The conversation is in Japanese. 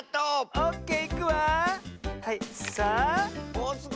オッケー！